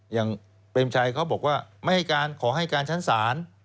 อย่างเปรมชัยเขาบอกว่าไม่ให้การขอให้การชั้นศาล